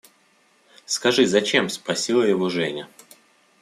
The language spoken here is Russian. – Скажи, зачем? – спросила его Женя.